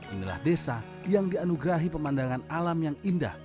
inilah desa yang dianugerahi pemandangan alam yang indah